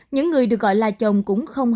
những người được gọi là chồng cũng không hơn